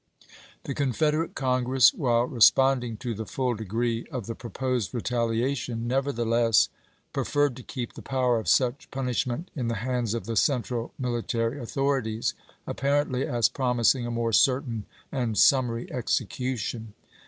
The Confederate Congi ess, while responding to the full degree of the proposed retaliation, never theless preferred to keep the power of such punish ment in the hands of the central military authorities, apparently as promising a more certain and sum mary execution.